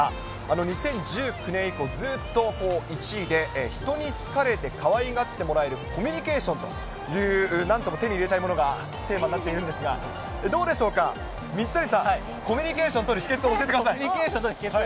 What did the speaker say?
２０１９年以降、ずっと１位で、人に好かれてかわいがってもらえるコミュニケーションという、なんとも手に入れたいものがテーマになっているんですが、どうでしょうか、水谷さん、コミュニケーション取る秘けつを教えてくだコミュニケーション取る秘けつ？